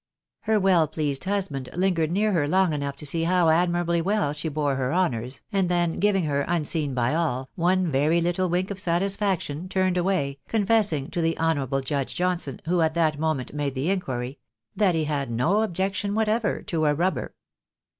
Her well pleased husband lingered near her long enough to see how admirably well she bore her honours, and then giving her, unseen by all, one very little wink of satisfaction, turned away, confessing to the honourable Judge Johnson, who, at that moment, made the inquiry, " that he had no objection wha.over to a rubber."